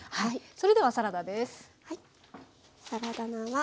それではサラダです。